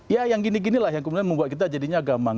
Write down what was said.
ya yang gini ginilah yang kemudian membuat kita jadinya gamang